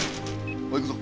おい行くぞ。